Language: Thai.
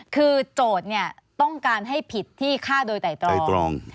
คือโจทย์ต้องการให้ผิดที่ฆ่าโดยไตรอง